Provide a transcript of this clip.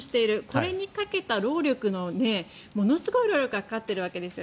これにかけた労力のものすごい労力がかかっているわけですよ。